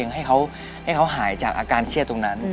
ให้เขาหายจากอาการเครียดตรงนั้น